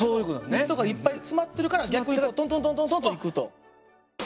水とかいっぱい詰まってるから逆にトントントントンと行くと。